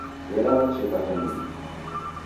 Ela wachepata ndighi.